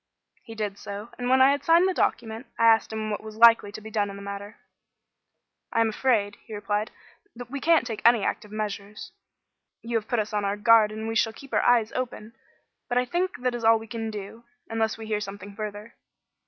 He did so, and, when I had signed the document, I asked him what was likely to be done in the matter. "I am afraid," he replied, "that we can't take any active measures. You have put us on our guard and we shall keep our eyes open. But I think that is all we can do, unless we hear something further."